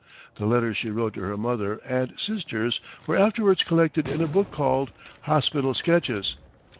The letters she wrote to her mother and sisters were afterwards collected in a book called "Hospital Sketches."